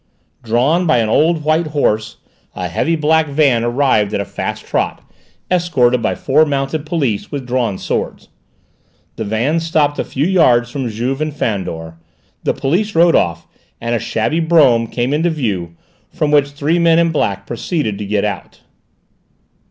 Drawn by an old white horse, a heavy black van arrived at a fast trot, escorted by four mounted police with drawn swords. The van stopped a few yards from Juve and Fandor; the police rode off, and a shabby brougham came into view, from which three men in black proceeded to get out.